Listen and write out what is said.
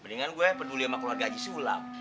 mendingan gue peduli sama keluarga haji sulap